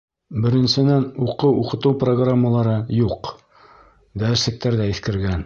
Беренсенән, уҡыу-уҡытыу программалары юҡ, дәреслектәр ҙә иҫкергән.